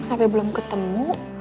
sampai belum ketemu